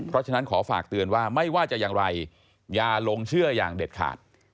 เพราะฉะนั้นขอฝากเตือนว่าไม่ว่าจะอย่างไรอย่าลงเชื่ออย่างเด็ดขาด